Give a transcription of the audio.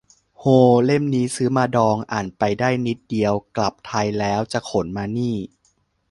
โฮ เล่มนี้ซื้อมาดอง อ่านไปได้นิดเดียว กลับไทยแล้วจะขนมานี่